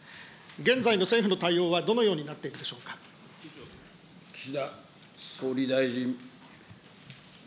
現在の政府の対応はどのようにな岸田総理大臣。